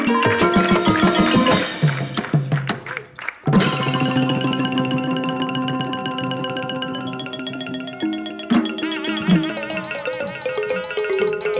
ก็ออกบอลเหรอ